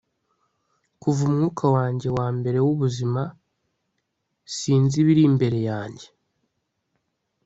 kuva umwuka wanjye wambere wubuzima; sinzi ibiri imbere yanjye